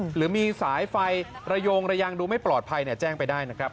หรือมีสายไฟระยงระยางดูไม่ปลอดภัยแจ้งไปได้นะครับ